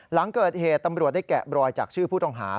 หลังเกิดเหตุตำรวจได้แกะบรอยจากชื่อผู้ต้องหา